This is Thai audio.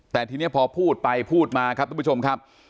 แต่ทีนี้พอพูดไปพูดมาครับทุกผู้ชมครับ